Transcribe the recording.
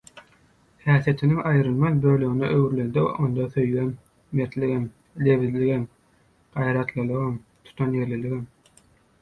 häsiýetiniň aýrylmaz bölegine öwrülende onda söýgem, mertligem, lebizliligem, gaýratlylygam, tutanýerliligem